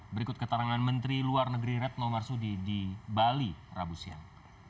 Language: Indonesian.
berikut keterangan menteri luar negeri retno marsudi di bali rabu siang